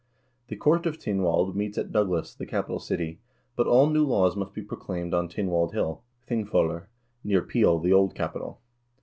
The Court of Tynwald meets at Douglas, the capital city, but all new laws must be proclaimed on Tynwald Hill (pingvollr), near Peel, the old capital.